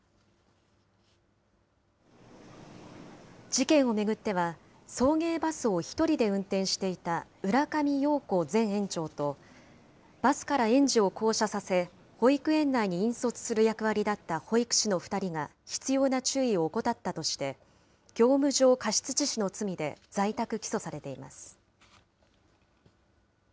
事件を巡っては、送迎バスを１人で運転していた浦上陽子前園長と、バスから園児を降車させ、保育園内に引率する役割だった保育士の２人が必要な注意を怠ったとして、業務上過失致死の罪で在宅起訴されています。